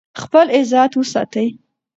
خپل عزت وساتئ.